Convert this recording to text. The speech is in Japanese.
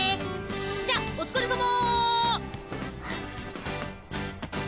じゃあお疲れさま！